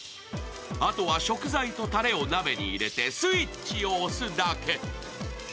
あとは食材とたれを鍋を入れてスイッチを押すだけ。